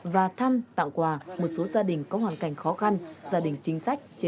và thăm tặng quà một số gia đình có hoàn cảnh khó khăn gia đình chính sách trên địa bàn